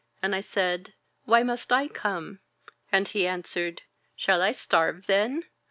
And I said: ^Why must I come?' And he answered: *Shall I starve, then?